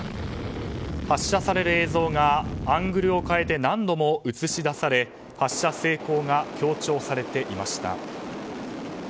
発射される映像がアングルを変えて何度も映し出され発射成功が強調されていました。